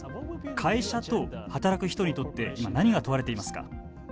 会社と働く人にとって今、何が問われていますか。